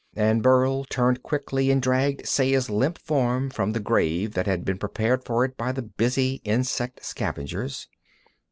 And Burl turned quickly and dragged Saya's limp form from the grave that had been prepared for it by the busy insect scavengers.